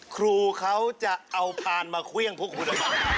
ครูเขาจะเอาผ่านมาเขี้ยงพวกคุณ